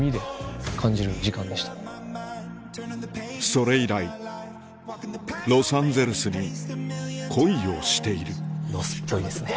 それ以来ロサンゼルスに恋をしているロスっぽいですね。